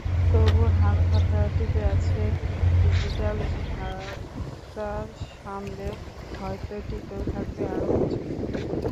তবু হালখাতা টিকে আছে, ডিজিটাল ঝাপটা সামলে হয়তো টিকেও থাকবে আরও কিছুদিন।